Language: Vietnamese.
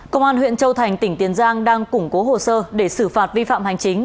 công an huyện châu thành tỉnh tiền giang đang củng cố hồ sơ để xử phạt vi phạm hành chính